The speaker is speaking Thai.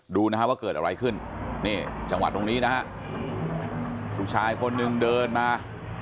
ดูนะฮะว่าเกิดอะไรขึ้นนี่จังหวะตรงนี้นะฮะผู้ชายคนนึงเดินมา